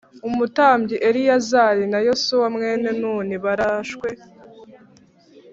umutambyi Eleyazari na Yosuwa mwene Nuni barashwe